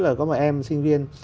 là có một em sinh viên